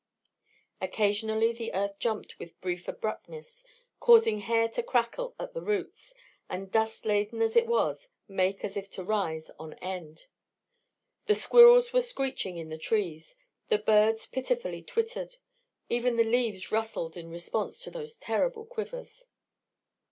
Occasionally the earth jumped with brief abruptness, causing hair to crackle at the roots, and dust laden as it was, make as if to rise on end. The squirrels were screeching in the trees. The birds pitifully twittered. Even the leaves rustled in response to those terrible quivers.